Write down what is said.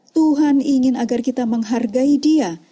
tuhan ingin agar kita menghargai dia